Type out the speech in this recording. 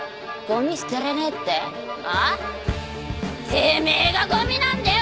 てめえがゴミなんだよ！